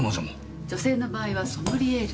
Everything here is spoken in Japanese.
女性の場合はソムリエール。